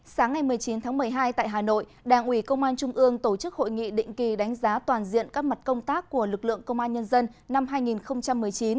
sáng ngày một mươi chín tháng một mươi hai tại hà nội đảng ủy công an trung ương tổ chức hội nghị định kỳ đánh giá toàn diện các mặt công tác của lực lượng công an nhân dân năm hai nghìn một mươi chín